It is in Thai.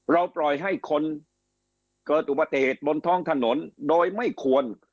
ปล่อยให้คนเกิดอุบัติเหตุบนท้องถนนโดยไม่ควร